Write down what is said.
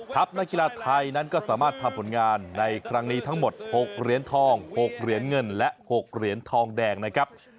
นักกีฬาไทยนั้นก็สามารถทำผลงานในครั้งนี้ทั้งหมด๖เหรียญทอง๖เหรียญเงินและ๖เหรียญทองแดงนะครับ